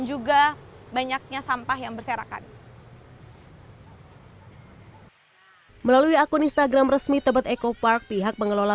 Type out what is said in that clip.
juga banyaknya sampah yang berserakan melalui akun instagram resmi tebet eco park pihak pengelola